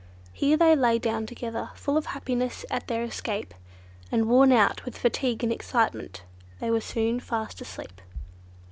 Here they lay down together, full of happiness at their escape, and worn out with fatigue and excitement, they were soon fast asleep.